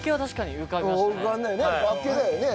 浮かんだよね。